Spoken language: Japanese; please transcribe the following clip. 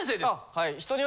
はい。